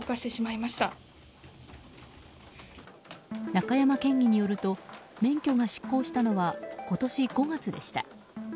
中山県議によると免許が失効したのは今年５月でした。